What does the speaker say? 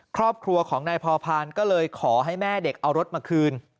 ครอบครัวของนายพอพานก็เลยขอให้แม่เด็กเอารถมาคืน